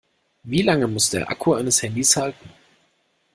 Wie lange muss der Akku eines Handys halten?